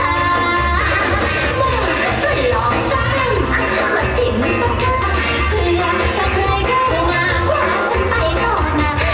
มันรอแป้งมาชิมสักครั้งเพื่อถ้าใครเข้ามากว่าฉันไปต่อหน้า